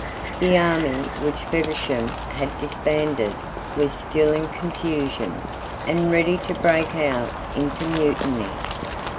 The army which Feversham had disbanded was still in confusion, and ready to break out into mutiny.